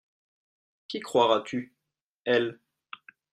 Qui croiras-tu ?- Elle.